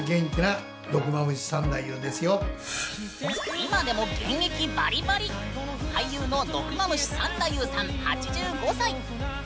今でも現役バリバリ俳優の毒蝮三太夫さん８５歳。